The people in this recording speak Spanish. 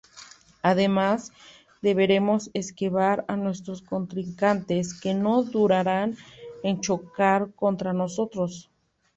Además, deberemos esquivar a nuestros contrincantes, que no durarán en chocar contra nosotros.